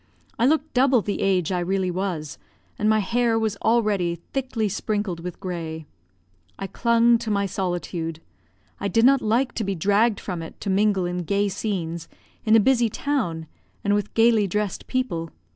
I looked double the age I really was, and my hair was already thickly sprinkled with grey. I clung to my solitude. I did not like to be dragged from it to mingle in gay scenes, in a busy town, and with gaily dressed people.